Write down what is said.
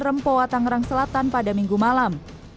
rempoa tangerang selatan pada minggu malam